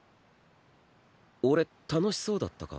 俺楽しそうだったか？